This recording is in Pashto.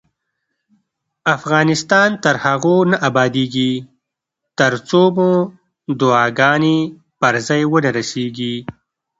افغانستان تر هغو نه ابادیږي، ترڅو مو دعاګانې پر ځای ونه رسیږي.